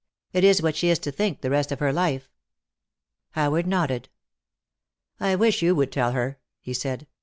It is what she is to think the rest of her life." Howard nodded. "I wish you would tell her," he said.